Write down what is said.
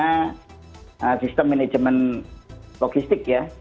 karena sistem manajemen logistik ya